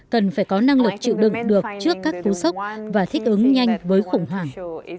cần phải có năng lực chịu đựng được trước các cú sốc và thích ứng nhanh với khủng hoảng